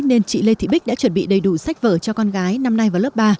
nên chị lê thị bích đã chuẩn bị đầy đủ sách vở cho con gái năm nay vào lớp ba